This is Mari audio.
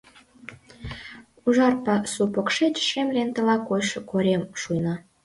Ужар пасу покшеч шем лентыла койшо корем шуйна.